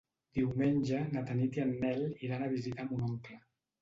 Diumenge na Tanit i en Nel iran a visitar mon oncle.